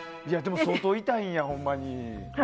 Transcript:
相当痛いんや、ほんまに。